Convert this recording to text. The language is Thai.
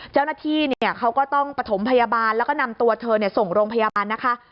เจ้าหน้าที่เขาก็ต้องประถมพยาบาลแล้วก็นำตัวเธอส่งโรงพยาบาลนะคะ